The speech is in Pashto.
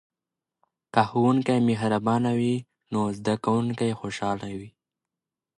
که ښوونکی مهربانه وي نو زده کوونکي خوشحاله وي.